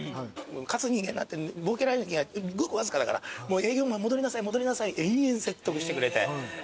勝つ人間なんてごくわずかだから営業マン戻りなさい戻りなさい延々説得してくれて。